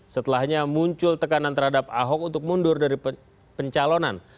setelahnya muncul tekanan terhadap ahok untuk mundur dari pencalonan